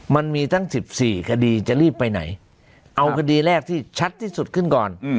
มันมีทั้ง๑๔คดีจะรีบไปไหนเอาคดีแรกที่ชัดที่สุดขึ้นก่อน